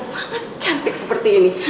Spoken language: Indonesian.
sangat cantik seperti ini